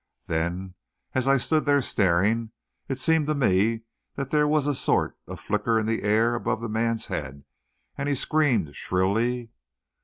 Then, as I stood there staring, it seemed to me that there was a sort of flicker in the air above the man's head, and he screamed shrilly.